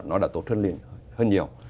nó đã tốt hơn nhiều